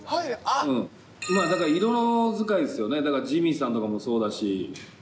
だから色使いですよね、ジミーさんとかもそうだし。